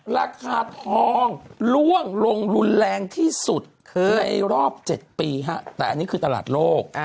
ราคาทองล่วงลงรุนแรงที่สุดในรอบ๗ปีแต่อันนี้คือตลาดโลก